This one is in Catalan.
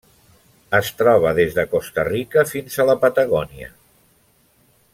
Es troba des de Costa Rica fins a la Patagònia.